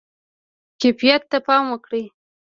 کیفیت ته پام وکړئ